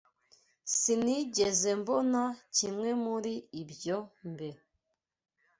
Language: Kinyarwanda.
Sinigeze mbona kimwe muri ibyo mbere.